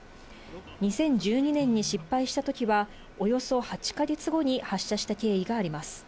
２０１２年に失敗したときは、およそ８か月後に発射した経緯があります。